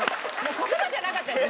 言葉じゃなかったです